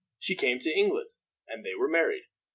She came to England, and they were married.